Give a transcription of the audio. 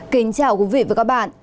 kính chào quý vị và các bạn